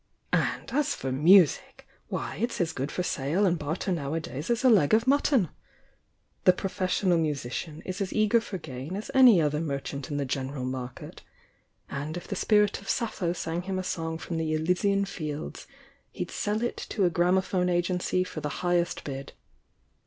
And as for music! — why, it's as good for sale and barter nowadays as a leg of mutton! The professional musician is as eager for gain as any other merchant in the general market, — and if the spirit of Sappho sang him a song from the Elysian fields, he'd sell it to a gramophone agency for the highest bid.